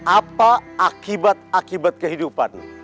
apa akibat akibat kehidupan